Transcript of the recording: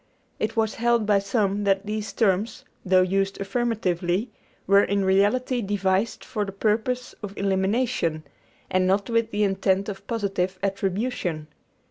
It was held by some that these terms, though used affirmatively, were in reality devised for the purpose of elimination, and not with the intent of positive attribution.